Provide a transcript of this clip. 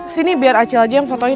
sini biar acil aja yang fotonya